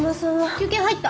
休憩入った。